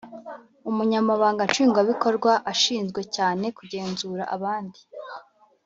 Umunyamabanga Nshingwabikorwa ashinzwe cyane kugenzura abandi